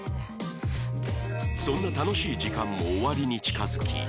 そんな楽しい時間も終わりに近づき